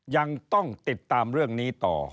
ยังต้องติดตามเรื่องนี้ต่อ